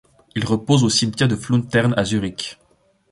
Il repose au cimetière de Fluntern à Zurich.